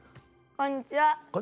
こんにちは。